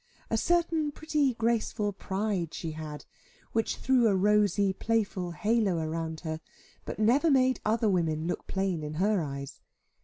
A certain pretty graceful pride she had, which threw a rosy playful halo round her, but never made other women look plain in her eyes.